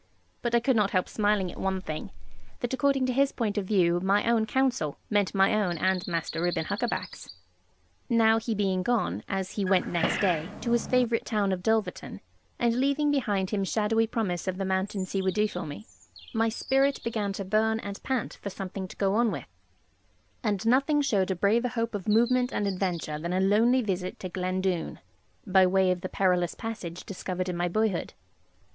But I could not help smiling at one thing, that according to his point of view my own counsel meant my own and Master Reuben Huckaback's. Now he being gone, as he went next day, to his favourite town of Dulverton, and leaving behind him shadowy promise of the mountains he would do for me, my spirit began to burn and pant for something to go on with; and nothing showed a braver hope of movement and adventure than a lonely visit to Glen Doone, by way of the perilous passage discovered in my boyhood.